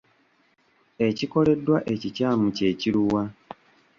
Ekikoleddwa ekikyamu kye kiruwa?